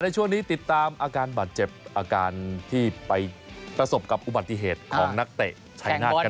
ช่วงนี้ติดตามอาการบาดเจ็บอาการที่ไปประสบกับอุบัติเหตุของนักเตะชายนาฏกัน